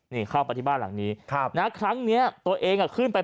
นี่เข้าไปที่บ้านหลังนี้ครั้งนี้ตัวเองขึ้นไป